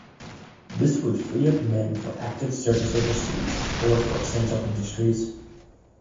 This would free up men for active service overseas or for essential industries.